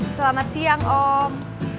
selamat siang om